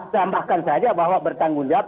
tambahkan saja bahwa bertanggung jawab